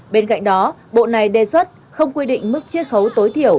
bên cạnh đó bộ này đề xuất không quy định mức chiết khấu tối thiểu